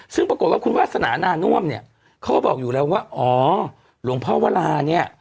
ซึ่งปรากฏว่าคุณวาสนานาน่วมเนี่ยเขาก็บอกอยู่แล้วว่าอ๋อหลวงพ่อวราเนี่ย